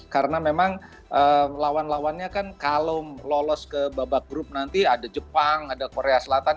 karena memang lawan lawannya kan kalau lolos ke babak grup nanti ada jepang ada korea selatan